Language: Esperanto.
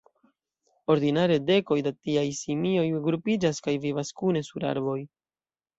Ordinare dekoj da tiaj simioj grupiĝas kaj vivas kune sur arboj.